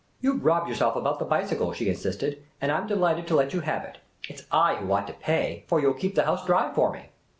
" You 've robbed yourselves about the bicycle," she insisted, " and I 'm delighted to let you have it. It 's I who ought to pay, for you '11 keep the house dry for me."